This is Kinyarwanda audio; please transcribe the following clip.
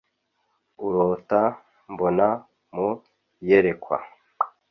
urota mbona mu iyerekwa